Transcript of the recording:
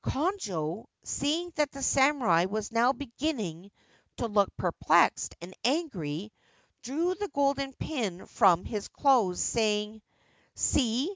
Konojo, seeing that the samurai was now beginning to look perplexed and angry, drew the golden pin from his clothes, saying :' See